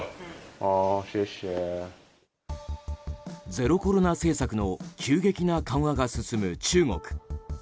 ゼロコロナ政策の急激な緩和が進む中国。